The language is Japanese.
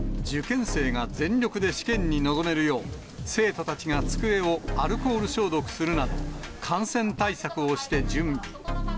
受験生が全力で試験に臨めるよう、生徒たちが机をアルコール消毒するなど、感染対策をして準備。